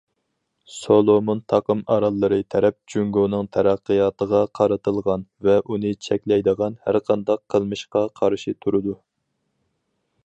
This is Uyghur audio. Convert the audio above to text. سولومون تاقىم ئاراللىرى تەرەپ جۇڭگونىڭ تەرەققىياتىغا قارىتىلغان ۋە ئۇنى چەكلەيدىغان ھەرقانداق قىلمىشقا قارشى تۇرىدۇ.